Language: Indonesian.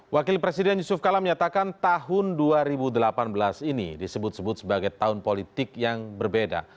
wakil presiden yusuf kala menyatakan tahun dua ribu delapan belas ini disebut sebut sebagai tahun politik yang berbeda